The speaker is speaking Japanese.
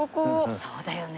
そうだよね。